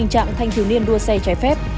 tình trạng thanh thiếu niên đua xe trái phép